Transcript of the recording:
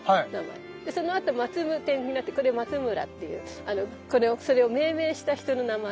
でそのあと「Ｍａｔｓｕｍ．」になってこれ松村っていうこれを命名した人の名前。